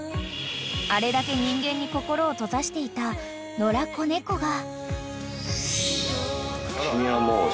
［あれだけ人間に心を閉ざしていた野良子猫が］